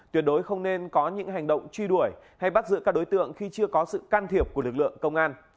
tuyệt đối không nên có những hành động truy đuổi hay bắt giữ các đối tượng khi chưa có sự can thiệp của lực lượng công an